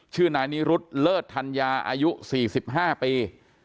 ชื่อนายนีรุฑเลิศธัญญาอายุสี่สิบห้าปี